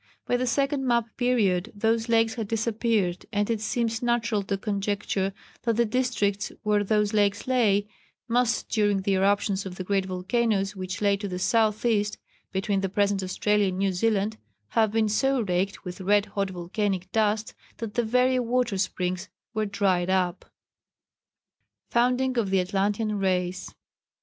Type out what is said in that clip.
By the second map period those lakes had disappeared, and it seems natural to conjecture that the districts where those lakes lay, must, during the eruptions of the great volcanoes which lay to the south east (between the present Australia and New Zealand), have been so raked with red hot volcanic dust that the very water springs were dried up. [Sidenote: Founding of the Atlantean Race.